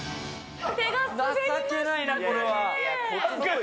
情けないな、これは。